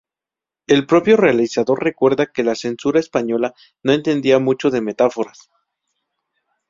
El propio realizador recuerda que la censura española “no entendía mucho de metáforas.